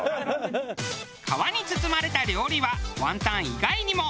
皮に包まれた料理はワンタン以外にも。